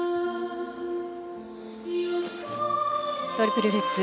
トリプルルッツ。